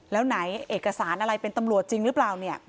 แล้วไหนเอกสารอะไรเป็นตำรวจจริงหรือเปล่าเนี่ย